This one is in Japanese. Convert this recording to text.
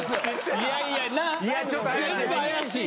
いやいや全部怪しい。